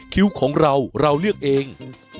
คิ้วของเราเราเลือกเอง